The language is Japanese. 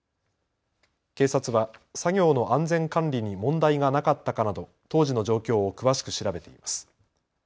警察は作業の安全管理に問題がなかったかなど当時の状況を詳しく調べています。